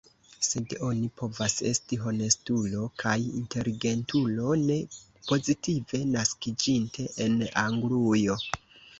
Sed oni povas esti honestulo kaj inteligentulo, ne pozitive naskiĝinte en Anglujo.